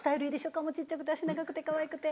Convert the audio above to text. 顔も小っちゃくて脚長くてかわいくて。